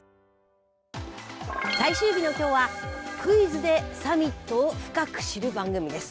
最終日の今日はクイズでサミットを深く知る番組です。